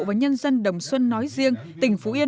và nhân dân đồng xuân nói riêng tỉnh phú yên